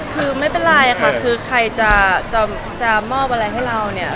คือไม่เป็นไรค่ะคือใครจะมอบอะไรให้เราเนี่ย